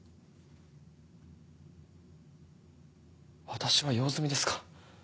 私は用済みですか。